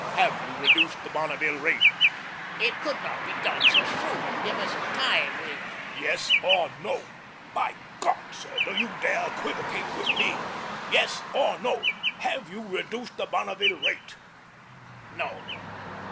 Have you reduced the Bonneville rate?" "It could not be done so soon. Give us time. We " "Yes or no! By God, sir, do you dare equivocate with me? Yes or no; have you reduced the Bonneville rate?" "No."